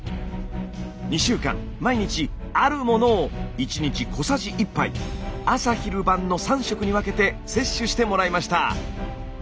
２週間毎日あるものを１日小さじ１杯朝昼晩の３食に分けて摂取してもらいました。